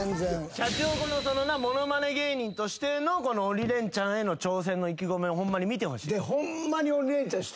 シャチホコの物まね芸人としての鬼レンチャンへの挑戦の意気込みをホンマに見てほしい。